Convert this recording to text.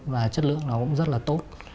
và chất lượng nó cũng rất là tốt